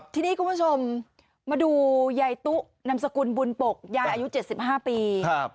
ทีนี้คุณผู้ชมมาดูยายตุนามสกุลบุญปกยายอายุ๗๕ปี